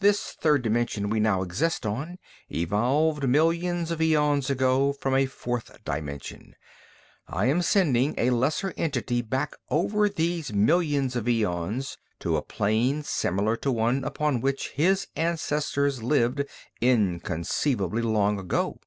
This third dimension we now exist on evolved, millions of eons ago, from a fourth dimension. I am sending a lesser entity back over those millions of eons to a plane similar to one upon which his ancestors lived inconceivably long ago."